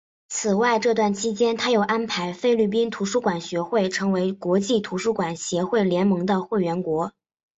此外这段期间他又安排菲律宾图书馆学会成为国际图书馆协会联盟的会员国。